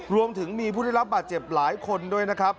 รวมถึงมีผู้ได้รับบาดเจ็บหลายคนด้วยนะครับ